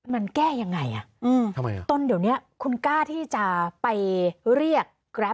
มันแก้ยังไงอ่ะทำไมอ่ะตนเดี๋ยวนี้คุณกล้าที่จะไปเรียกแกรป